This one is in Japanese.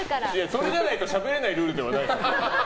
それがないとしゃべれないルールじゃないから。